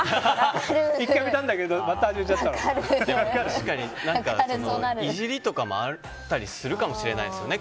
１回やめたんだけどイジリとかもあったりするかもしれないですしね。